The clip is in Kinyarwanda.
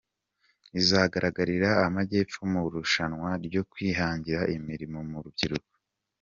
izahagararira Amajyepfo mu irushanwa ryo Kwihangira Imirimo mu rubyiruko